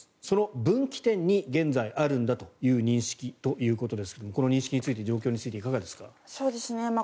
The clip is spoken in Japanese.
その分岐点に現在あるんだという認識ということですがこの認識、状況についていかがですか？